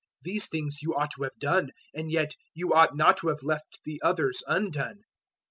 These things you ought to have done, and yet you ought not to have left the others undone.